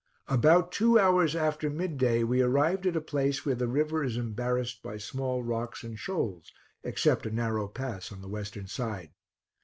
About two hours after mid day we arrived at a place where the river is embarrassed by small rocks and shoals, except a narrow pass on the western side.